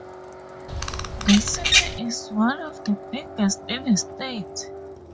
The city is one of the biggest in the state.